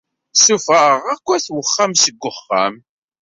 Suffɣeɣ akk at wexxam seg wexxam.